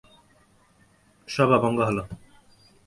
সভা ভঙ্গ হল।